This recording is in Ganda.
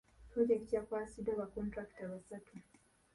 Pulojekiti yakwasiddwa ba kontulakita basatu.